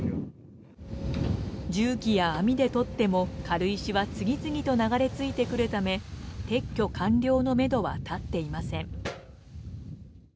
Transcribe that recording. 重機や網でとっても、軽石は次々と流れ着いてくるため撤去完了のめどはたっていません。